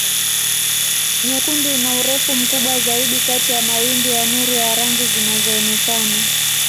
Nyekundu ina urefu mkubwa zaidi kati ya mawimbi ya nuru ya rangi zinazoonekana.